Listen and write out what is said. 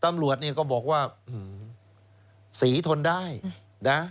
ตำรวจเนี่ยก็บอกว่าศรีทนได้นะ